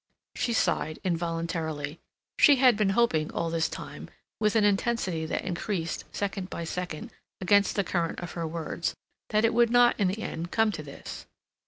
She sighed, involuntarily. She had been hoping all this time, with an intensity that increased second by second against the current of her words, that it would not in the end come to this.